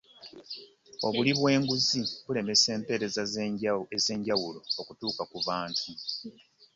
Obuli bw'enguzi bulemesa empeereza ez'enjawulo okutuuka ku bantu.